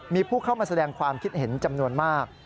มีผู้เข้ามาแสดงความคิดเห็นจำนวนมาก